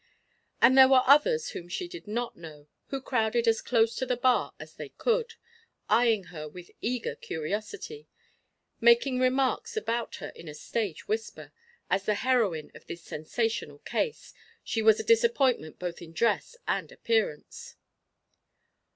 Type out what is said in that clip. And there were others whom she did not know, who crowded as close to the bar as they could, eying her with eager curiosity, making remarks about her in a stage whisper. As the heroine of this sensational case, she was a disappointment both in dress and appearance.